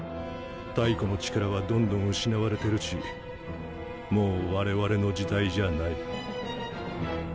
太古の力はどんどん失われてるしもうわれわれの時代じゃない。